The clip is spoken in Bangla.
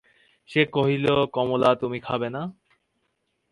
সে কহিল, কমলা, তুমি খাবে না?